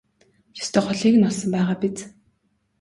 Ёстой голыг нь олсон байгаа биз?